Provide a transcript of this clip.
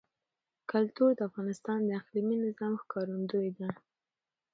کلتور د افغانستان د اقلیمي نظام ښکارندوی ده.